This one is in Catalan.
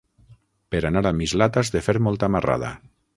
Per anar a Mislata has de fer molta marrada.